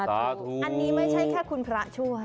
อันนี้ไม่ใช่แค่คุณพระช่วย